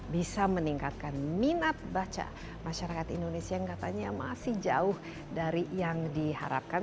bisa meningkatkan minat baca masyarakat indonesia yang katanya masih jauh dari yang diharapkan